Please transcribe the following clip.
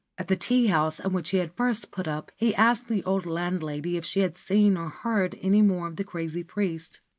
At the tea house at which he had first put up he asked the old land lady if she had seen or heard any more of the crazy priest.